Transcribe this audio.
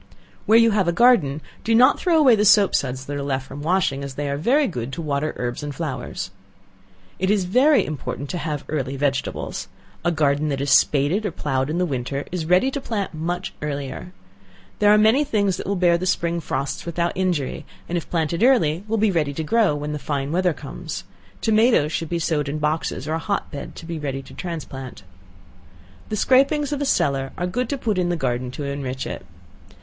Where you have a garden, do not throw away the soap suds that are left from washing, as they are very good to water herbs and flowers. It is very important to have early vegetables. A garden that is spaded, or ploughed in the winter, is ready to plant much earlier. There are many things that will bear the spring frosts without injury, and if planted early will be ready to grow when the fine weather comes. Tomatoes should be sowed in boxes or a hot bed to be ready to transplant. The scrapings of a cellar are good to put in the garden to enrich it.